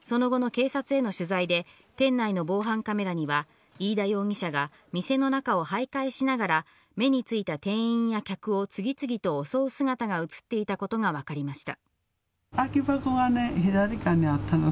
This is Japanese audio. その後の警察への取材で店内の防犯カメラには飯田容疑者が店の中を徘徊しながら目についた店員や客を次々と襲う姿が映っていたことがわかりました。